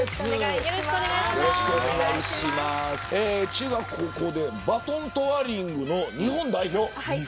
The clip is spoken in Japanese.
中学高校でバトントワーリングの日本代表。